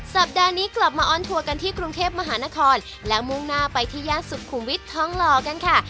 สัปดาห์นี้กลับมาออนทัวร์กันที่กรุงเทพมหานครและมุ่งหน้าไปที่ย่านสุขุมวิทย์ทองหล่อกันค่ะ